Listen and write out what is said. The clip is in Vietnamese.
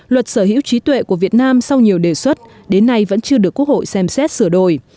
luật sở hữu trí tuệ của việt nam sau nhiều đề xuất đến nay vẫn chưa được quốc hội xem xét sửa đổi